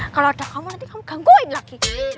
kalau ada kamu nanti kamu gangguin lagi